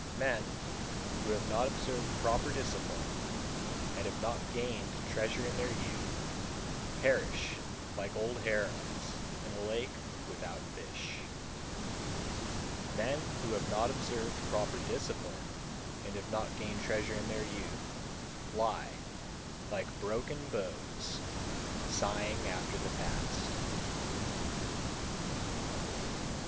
155. Men who have not observed proper discipline, and have not gained treasure in their youth, perish like old herons in a lake without fish. 156. Men who have not observed proper discipline, and have not gained treasure in their youth, lie, like broken bows, sighing after the past.